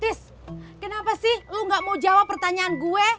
tis kenapa sih lu gak mau jawab pertanyaan gue